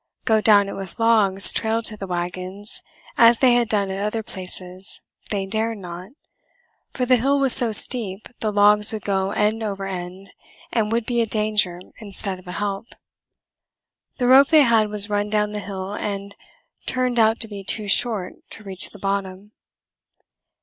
Go down it with logs trailed to the wagons, as they had done at other places, they dared not, for the hill was so steep the logs would go end over end and would be a danger instead of a help. The rope they had was run down the hill and turned out to be too short to reach the bottom.